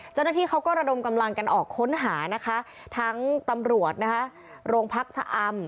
เจ้าหน้าที่เขาก็ระดมกำลังกันออกค้นหานะคะทั้งตำรวจนะคะโรงพักชะอำ